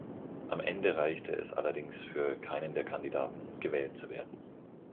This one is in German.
Am Ende reichte es allerdings für keinen der Kandidaten, gewählt zu werden.